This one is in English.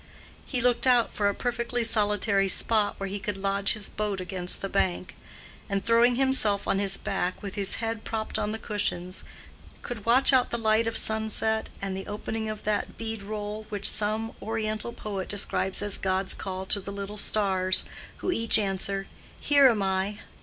He looked out for a perfectly solitary spot where he could lodge his boat against the bank, and, throwing himself on his back with his head propped on the cushions, could watch out the light of sunset and the opening of that bead roll which some oriental poet describes as God's call to the little stars, who each answer, "Here am I."